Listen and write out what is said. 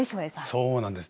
そうなんです。